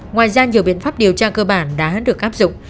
ngoài ra nhiều biện pháp điều tra cơ bản đã được áp dụng